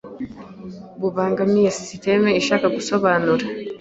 bubangamira sisitemu ishaka gusobanura